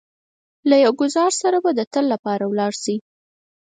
له يو ګوزار سره به د تل لپاره ولاړ شئ.